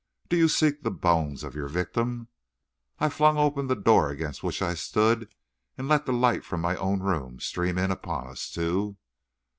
do you seek the bones of your victim?" I flung open the door against which I stood and let the light from my own room stream in upon us two.